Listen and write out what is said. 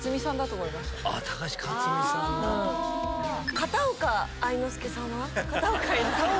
片岡愛之助さん